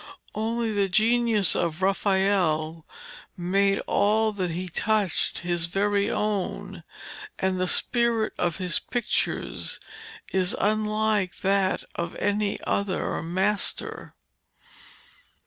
Only the genius of Raphael made all that he touched his very own, and the spirit of his pictures is unlike that of any other master.